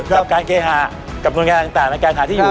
กับการเคหากับหน่วยงานต่างในการหาที่อยู่